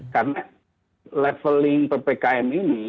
karena leveling ppkm ini